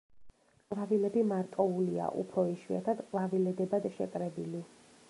ყვავილები მარტოულია, უფრო იშვიათად ყვავილედებად შეკრებილი.